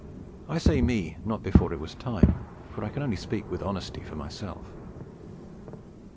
I say 'me,' not before it was time; for I can only speak with honesty for myself.